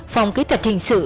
phòng kỹ thuật hình sự